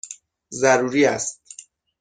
ضروری است!